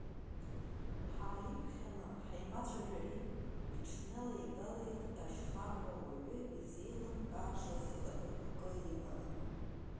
Ҳааиԥхьаны ҳаимацәажәари, иҽналеигалеит Ашьхаруа, уаҩы изеилымкаашаз ихатәы қәкы иманы.